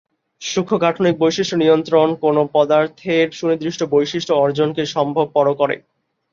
সূক্ষ্ম-গাঠনিক বৈশিষ্ট্য নিয়ন্ত্রণ কোন পদার্থের সুনির্দিষ্ট বৈশিষ্ট্য অর্জনকে সম্ভবপর করে।